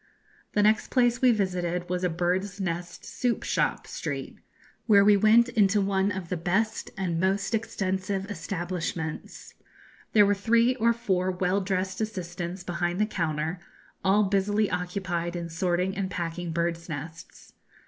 The next place we visited was a bird's nest soup shop street, where we went into one of the best and most extensive establishments. There were three or four well dressed assistants behind the counter, all busily occupied in sorting and packing birds' nests.